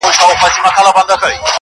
چي په هرځای کي مي وغواړی او سېږم!!